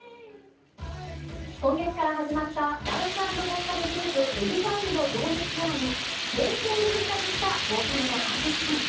今月から始まったダンス＆ボーカルグループ、ＥＸＩＬＥのドームツアーに、限定で復活したボーカルのＡＴＳＵＳＨＩさん。